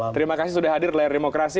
terima kasih sudah hadir di layar demokrasi